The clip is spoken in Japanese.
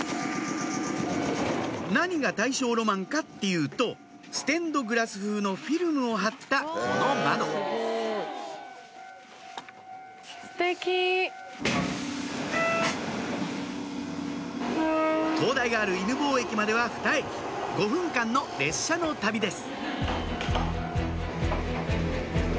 何が大正ロマンかっていうとステンドグラス風のフィルムを貼ったこの窓灯台がある犬吠駅までは２駅５分間の列車の旅です